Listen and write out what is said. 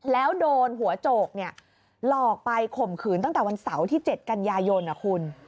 แล้วโดนหัวโจกหลอกไปข่มขืนตั้งแต่วันเสาร์ที่๗กันยายนนะคุณ